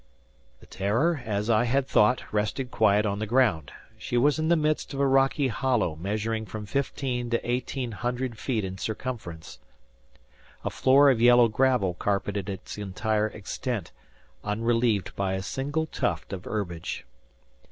The "Terror," as I had thought, rested quiet on the ground. She was in the midst of a rocky hollow measuring from fifteen to eighteen hundred feet in circumference. A floor of yellow gravel carpeted its entire extent, unrelieved by a single tuft of herbage.